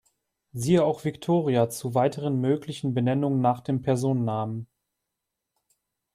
Siehe auch Victoria zu weiteren möglichen Benennungen nach dem Personennamen.